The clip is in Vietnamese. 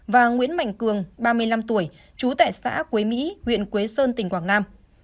và nguyễn mạnh cường ba mươi năm tuổi chú tệ xã quế mỹ huyện quế sơn tỉnh quảng nam